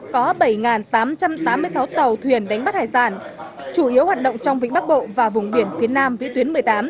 có bảy tám trăm tám mươi sáu tàu thuyền đánh bắt hải sản chủ yếu hoạt động trong vịnh bắc bộ và vùng biển phía nam vĩ tuyến một mươi tám